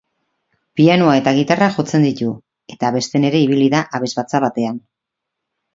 Pianoa eta gitarra jotzen ditu eta abesten ere ibili da abesbatza batean.